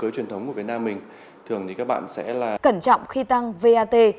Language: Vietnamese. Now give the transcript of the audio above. cẩn trọng khi tăng vat